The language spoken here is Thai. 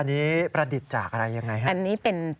อันนี้ประดิษฐ์จากอะไรอย่างไรครับ